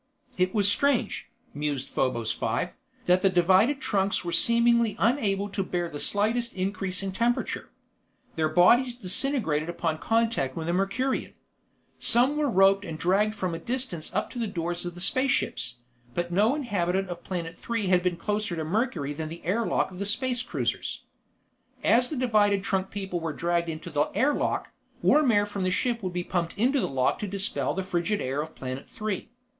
It was strange, mused Probos Five, that the divided trunks were seemingly unable to bear the slightest increase in temperature. Their bodies disintegrated upon contact with a Mercurian. Some were roped and dragged from a distance up to the doors of the space ships, but no inhabitant of Planet Three had been closer to Mercury than the air lock of the space cruisers. As the divided trunk people were dragged into the air lock, warm air from the ship would be pumped into the lock to dispel the frigid air of Planet Three.